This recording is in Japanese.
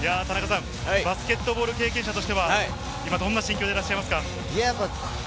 バスケットボール経験者としては今どんな心境でいらっしゃいますか？